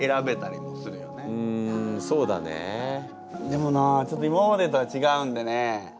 でもなちょっと今までとはちがうんでね。